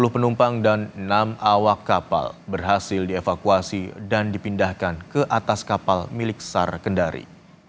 sepuluh penumpang dan enam awak kapal berhasil dievakuasi dan dipindahkan ke atas kapal milik sar kendari